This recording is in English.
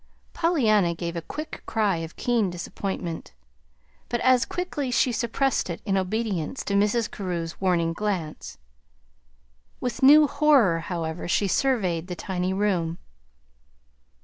Pollyanna gave a quick cry of keen disappointment, but as quickly she suppressed it in obedience to Mrs. Carew's warning glance. With new horror, however, she surveyed the tiny room.